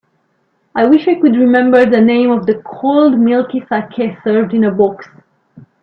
I wish I could remember the name of the cold milky saké served in a box.